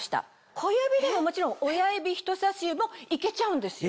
小指でももちろん親指人さし指もいけちゃうんですよ。